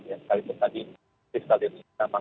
yang sekalipun tadi fiskal itu tidak masih kebijakan